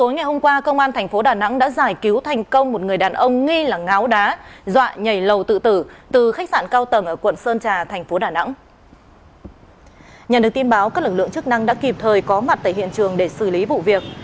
nhận được tin báo các lực lượng chức năng đã kịp thời có mặt tại hiện trường để xử lý vụ việc